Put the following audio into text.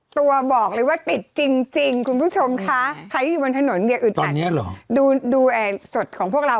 ให้ให้ใหม่ครบทุกชาติสักครู่หนึ่งค่ะ